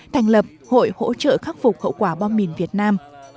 thành lập hội hỗ trợ khắc phục hậu quả bom mìn việt nam